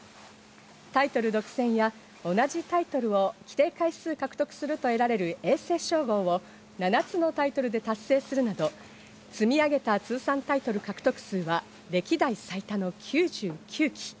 タイトル独占や同じタイトルを規定回数獲得すると得られる永世称号を７つのタイトルで達成するなど、積み上げた通算タイトル獲得数は歴代最多の９９期。